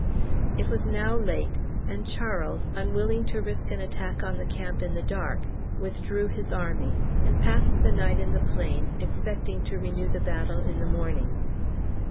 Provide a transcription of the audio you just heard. It was now late, and Charles, unwilling to risk an attack on the camp in the dark, withdrew his army, and passed the night in the plain, expecting to renew the battle in the morning.